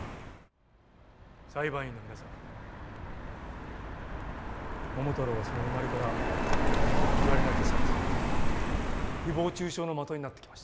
裁判員の皆さん桃太郎はその生まれからいわれなき差別を受けひぼう中傷の的になってきました。